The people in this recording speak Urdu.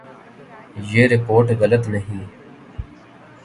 یہ رپورٹ غلط نہیں